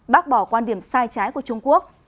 bác bỏ quan điểm sai trái của trung quốc